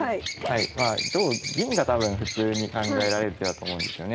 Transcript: まあ同銀が多分普通に考えられる手だと思うんですよね。